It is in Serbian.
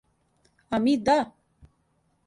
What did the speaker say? А ми да?